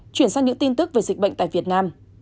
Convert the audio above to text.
chuyển sang những tin tức về dịch bệnh tại việt nam